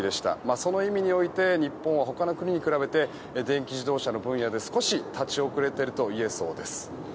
その意味において日本は他の国に比べて電気自動車の分野で少し立ち遅れているといえそうです。